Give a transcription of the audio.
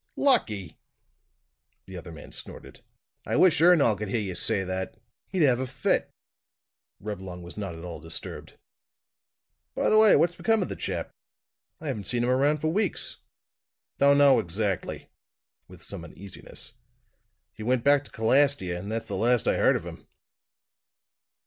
"Lucky!" The other man snorted. "I wish Ernol could hear you say that! He'd have a fit!" Reblong was not at all disturbed. "By the way, what's become of the chap? I haven't seen him around for weeks?" "Don't know, exactly," with some uneasiness. "He went back to Calastia, and that's the last I heard of him."